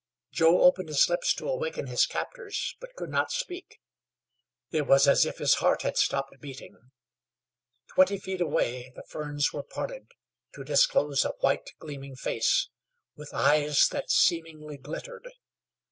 Joe opened his lips to awaken his captors, but could not speak; it was as if his heart had stopped beating. Twenty feet away the ferns were parted to disclose a white, gleaming face, with eyes that seemingly glittered.